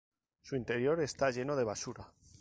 Su interior está lleno de basura.